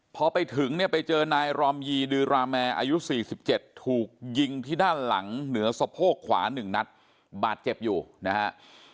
พอไปถึงเนี่ยไปเจอนายรอมยีดือราแมร์อายุ๔๗ถูกยิงที่ด้านหลังเหนือสะโพกขวา๑นัดบาดเจ็บอยู่นะฮะ